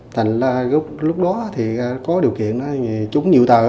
thành lúc đó thì có điều kiện chúng nhiều tờ